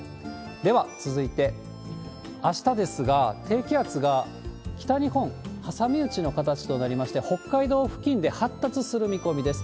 では続いて、あしたですが、低気圧が北日本、挟み撃ちの形となりまして、北海道付近で発達する見込みです。